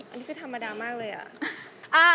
อันนี้คือธรรมดามากเลยอ่ะ